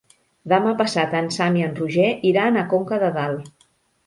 Demà passat en Sam i en Roger iran a Conca de Dalt.